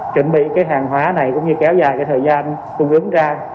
chuẩn bị cái hàng hóa này cũng như kéo dài cái thời gian cung ứng ra